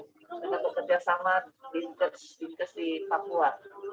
kita bekerjasama di kursus di papua